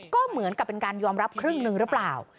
ก็เหมือนกับเป็นการยอมรับครึ่งหนึ่งหรือเปล่า